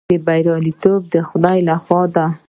بریالیتوب د خدای لخوا دی